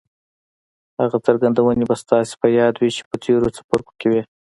هغه څرګندونې به ستاسې په ياد وي چې په تېرو څپرکو کې وې.